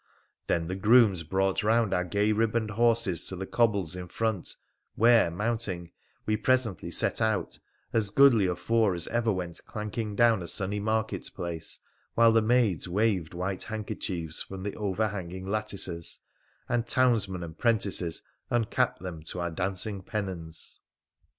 Then the grooms brought round our gay ribboned horses to the cobbles in front, where, mounting, we presently set out, a3 goodly a four as ever went clanking down a sunny market place, while the maids waved white handkerchiefs from the overhanging lattices and townsmen and 'prentices uncapped them to our dancing pennons.